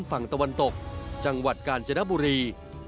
ฝั่งตะวันตกจังหวัดกาญจนบุรี